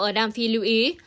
và đam phi lưu ý